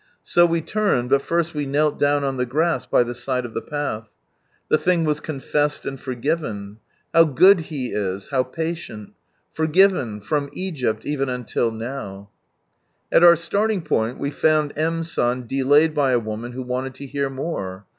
So we turned, but first we knelt down on the grass by the side of the path. The thing was confessed and forgiven. How good He is, how patient. " For given ... from Egypt, even until noiv !" At our starting point we found M. San delayed by a woman who wanted to hear more.